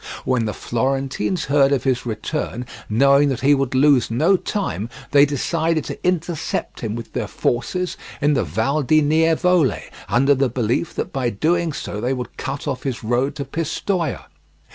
When the Florentines heard of his return, knowing that he would lose no time, they decided to intercept him with their forces in the Val di Nievole, under the belief that by doing so they would cut off his road to Pistoia.